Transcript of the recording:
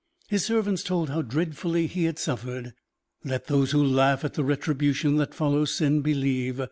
His servants told how dreadfully he had suffered. Let those who laugh at the retribution that follows sin believe.